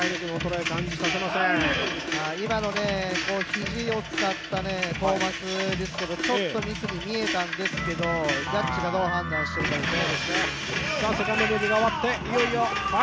今のひじを使ったトーマスですけどちょっとミスに見えたんですけどジャッジがどう判断してるかですね。